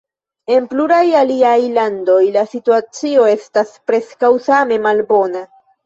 En pluraj aliaj landoj la situacio estas preskaŭ same malbona.